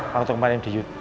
waktu kemarin di youth